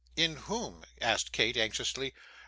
'In whom?' asked Kate, anxiously.